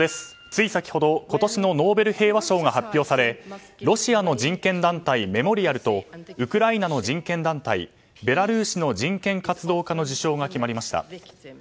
つい先ほど今年のノーベル平和賞が発表され、ロシアの人権団体メモリアルとウクライナの人権団体ベラルーシの人権活動家の受賞が決まりました。